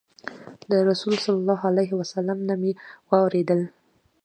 له رسول الله صلى الله عليه وسلم نه مي واورېدل